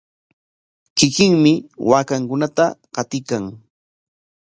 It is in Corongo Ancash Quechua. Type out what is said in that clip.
Kikinmi waakankunata qatiykan.